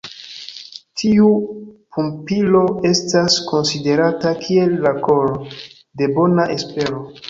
Tiu pumpilo estas konsiderata kiel la koro de Bona Espero.